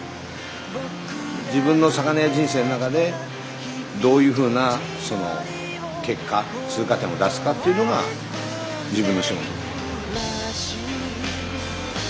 自分の魚屋人生の中でどういうふうな結果通過点を出すかっていうのが自分の仕事。